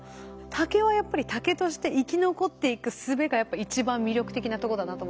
竹はやっぱり竹として生き残っていくすべがやっぱ一番魅力的なとこだなと思いました。